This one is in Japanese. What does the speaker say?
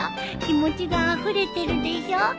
気持ちがあふれてるでしょ。